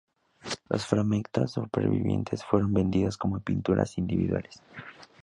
Los fragmentos supervivientes fueron vendidos como pinturas individuales.